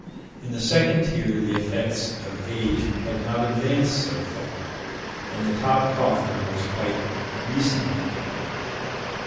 In the second tier, the effects of age had not advanced so far. And the top coffin was quite recent looking.